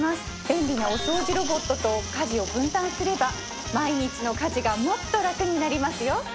便利なお掃除ロボットと家事を分担すれば毎日の家事がもっと楽になりますよ